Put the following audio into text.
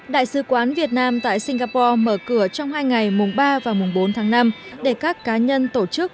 đại sứ quán việt nam tại singapore mở cửa trong hai ngày mùng ba và mùng bốn tháng năm để các cá nhân tổ chức